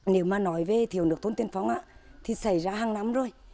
nếu mà nói về thiểu nước thôn tiền phong á thì xảy ra hàng năm rồi